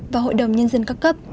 và hội đồng nhân dân ca cấp